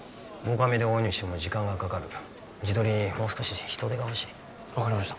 カメで追うにしても時間がかかる地取りにもう少し人手が欲しい分かりました